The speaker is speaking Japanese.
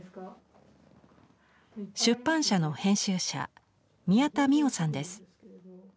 出版社の編集者宮田美緒さんです。